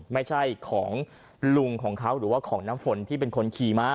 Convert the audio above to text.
ไม่ใช่ของลุงของเขาหรือว่าของน้ำฝนที่เป็นคนขี่มา